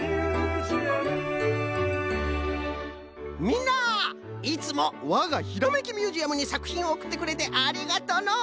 みんないつもわがひらめきミュージアムにさくひんをおくってくれてありがとの。